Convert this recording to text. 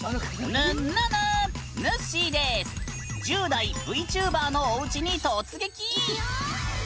１０代ＶＴｕｂｅｒのおうちに突撃！